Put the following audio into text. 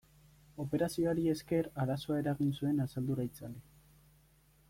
Operazioari esker arazoa eragin zuen asaldura itzali.